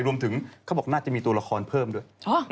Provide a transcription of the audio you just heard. เขาบอกน่าจะมีตัวละครเพิ่มด้วย